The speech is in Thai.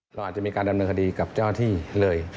เราอาจจะมีการดำเนินคดีกับเจ้าหน้าที่เลย